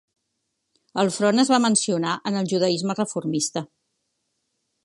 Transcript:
El front es va mencionar en el judaisme reformista.